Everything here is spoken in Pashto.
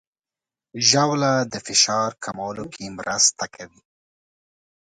ژاوله د فشار کمولو کې مرسته کوي.